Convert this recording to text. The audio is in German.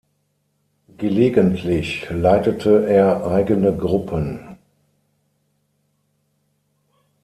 Gelegentlich leitete er eigene Gruppen.